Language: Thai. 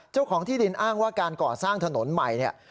เจ้าของที่ดินอ้างว่าการก่อสร้างถนนใหม่เนี่ย